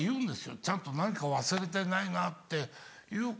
ちゃんと「何か忘れてないな？」っていうことを。